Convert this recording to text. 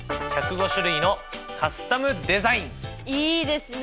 いいですね！